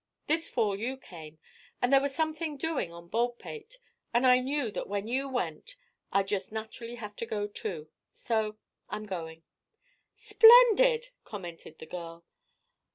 This fall you came, and there was something doing on Baldpate and I knew that when you went, I'd just naturally have to go, too. So I'm going." "Splendid," commented the girl.